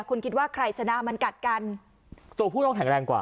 คุณคิดว่าใครชนะมันกัดกันตัวผู้ต้องแข็งแรงกว่า